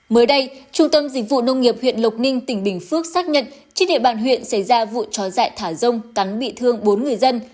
mới đây trung tâm dịch vụ nông nghiệp huyện lộc ninh tỉnh bình phước xác nhận trên địa bàn huyện xảy ra vụ chó dại thả rông cắn bị thương bốn người dân